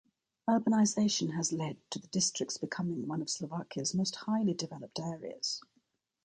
Urbanization has led to the district's becoming one of Slovakia's most highly developed areas.